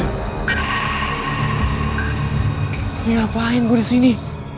ini ngapain gue disini